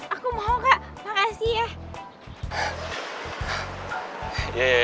aku mau kak makasih ya